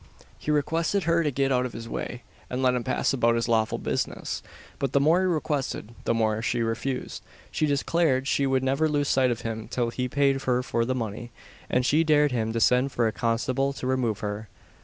He requested her to get out of his way, and let him pass about his lawful business; but the more he requested, the more she refused. She declared she would never lose sight of him till he paid her the money, and she dared him to send for a constable to remove her.